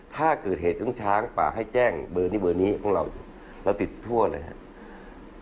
ถ้าเกิดเหตุขึ้นช้างป่าให้แจ้งเบอร์นี้เบอร์นี้ของเราเราติดทั่วเลยครับ